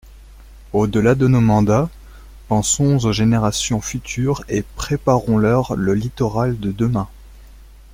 Au-delà de nos mandats, pensons aux générations futures et préparons-leur le littoral de demain.